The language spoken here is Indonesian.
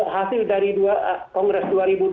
hasil dari dua kongres dua ribu dua puluh